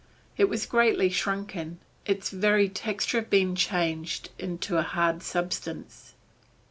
It was greatly shrunken, its very texture being changed into a hard substance.